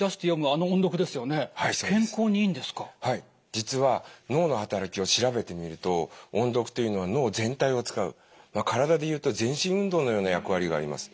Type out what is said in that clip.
実は脳の働きを調べてみると音読というのは脳全体を使う体でいうと全身運動のような役割があります。